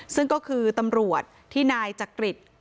ซึ่งก็คือตำรวจที่นายจักริต